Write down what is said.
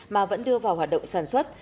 mà vẫn đưa vào hoạt động sản xuất